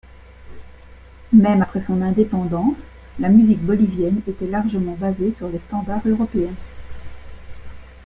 Même après son indépendance, la musique bolivienne était largement basée sur les standards européens.